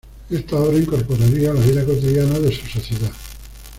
Esta obra incorporaría la vida cotidiana de su sociedad.